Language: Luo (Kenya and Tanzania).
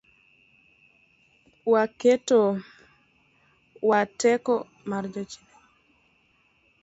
Wake teko mar jachien